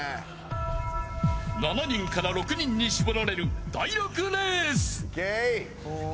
７人から６人に絞られる第６レース。